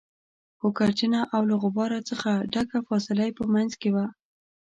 خو ګردجنه او له غبار څخه ډکه فاصله يې په منځ کې وه.